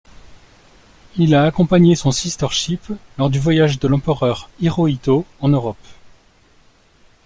Il a accompagné son sister-ship lors du voyage de l'empereur Hirohito en Europe.